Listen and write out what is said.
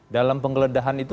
dalam penggeledahan itu